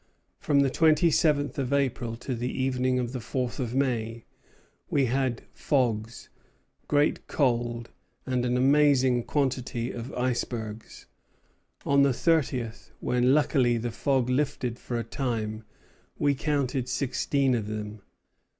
From the twenty seventh of April to the evening of the fourth of May we had fogs, great cold, and an amazing quantity of icebergs. On the thirtieth, when luckily the fog lifted for a time, we counted sixteen of them.